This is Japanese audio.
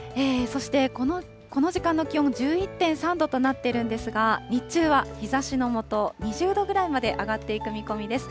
そしてこの時間の気温、１１．３度となっているんですが、日中は日ざしの下、２０度ぐらいまで上がっていく見込みです。